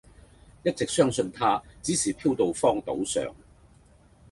一直相信他只是飄到荒島上